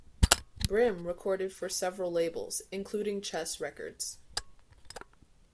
Brim recorded for several labels, including Chess Records.